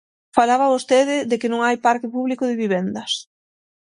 Falaba vostede de que non hai parque público de vivendas.